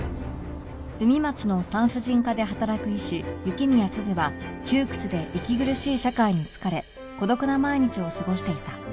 海街の産婦人科で働く医師雪宮鈴は窮屈で息苦しい社会に疲れ孤独な毎日を過ごしていた